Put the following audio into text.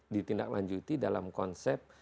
ditindaklanjuti dalam konsep